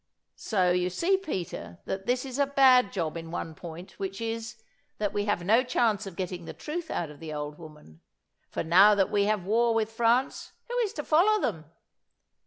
So you see, Peter, that this is a bad job in one point, which is, that we have no chance of getting the truth out of the old woman; for now that we have war with France, who is to follow them?